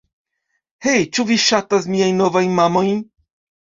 Hej' ĉu vi ŝatas miajn novajn mamojn